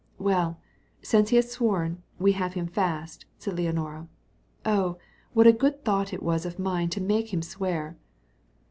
"Well, since he has sworn, we have him fast," said Leonora. "Oh, what a good thought it was of mine to make him swear!"